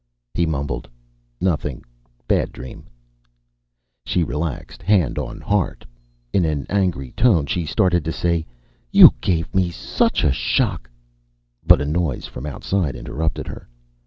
He mumbled, "Nothing. Bad dream." She relaxed, hand on heart. In an angry tone, she started to say: "You gave me such a shock " But a noise from outside interrupted her.